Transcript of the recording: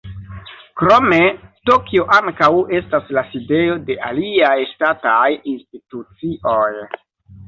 Krome Tokio ankaŭ estas la sidejo de aliaj ŝtataj institucioj.